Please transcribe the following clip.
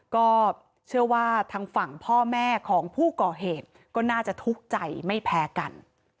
ก็เชื่อว่าทางฝั่งพ่อแม่ของผู้ก่อเหตุก็น่าจะทุกข์ใจไม่แพ้กัน